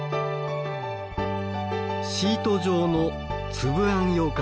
シート状の粒あんようかんです。